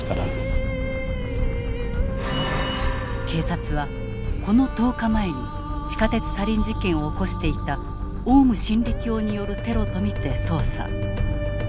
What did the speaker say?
警察はこの１０日前に地下鉄サリン事件を起こしていたオウム真理教によるテロと見て捜査。